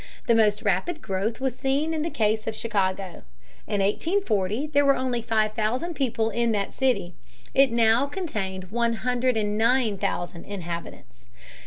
The most rapid growth was seen in the case of Chicago. In 1840 there were only five thousand people in that city; it now contained one hundred and nine thousand inhabitants.